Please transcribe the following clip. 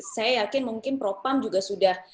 saya yakin mungkin propam juga sudah